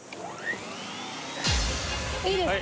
いいですか？